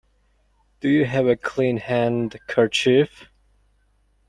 Do you have a clean handkerchief?